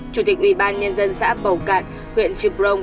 chủ tịch ubnd xã bầu cạn huyện trư plông